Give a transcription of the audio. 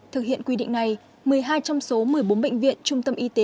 thực hiện quy định này một mươi hai trong số một mươi bốn bệnh viện trung tâm y tế